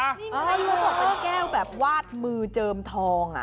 ใครบอกว่าเป็นแก้วแบบวาดมือเจิมทอง